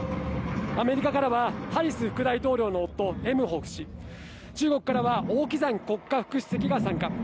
アメリカからはハリス副大統領の夫・エムホフ氏、中国からはオウ・キザン国家副主席が参加。